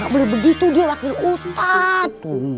gak boleh begitu dia wakil ustad